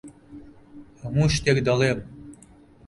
هەموو شتێک دەڵێم.